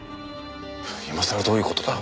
今さらどういう事だ？